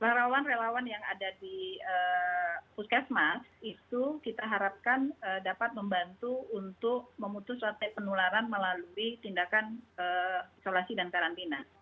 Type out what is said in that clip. relawan relawan yang ada di puskesmas itu kita harapkan dapat membantu untuk memutus rantai penularan melalui tindakan isolasi dan karantina